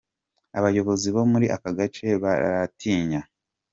Abayobozi bo muri aka gace baratinya.